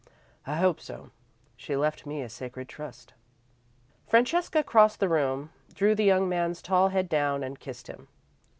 "I hope so. She left me a sacred trust." Francesca crossed the room, drew the young man's tall head down, and kissed him.